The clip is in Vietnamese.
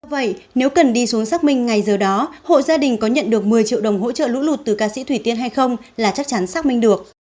vậy nếu cần đi xuống xác minh ngay giờ đó hộ gia đình có nhận được một mươi triệu đồng hỗ trợ lũ lụt từ ca sĩ thủy tiên hay không là chắc chắn xác minh được